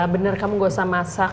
bener kamu gak usah masak